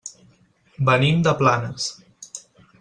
Venim de Planes.